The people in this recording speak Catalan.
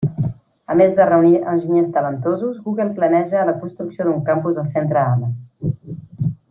A més de reunir enginyers talentosos, Google planeja la construcció d'un campus al centre Ames.